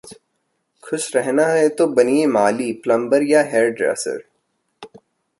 खुश रहना है तो बनिए माली, प्लंबर या हेयर ड्रेसर!